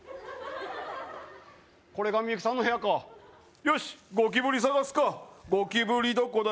これがミユキさんの部屋かよしゴキブリ探すかゴキブリどこだ